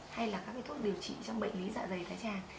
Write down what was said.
hay là các thuốc điều trị trong bệnh lý dạ dày thái tràng